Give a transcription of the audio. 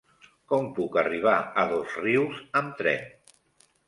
Com puc arribar a Dosrius amb tren?